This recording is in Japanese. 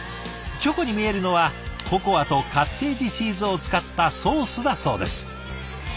チョコに見えるのはココアとカッテージチーズを使ったソースだそうです。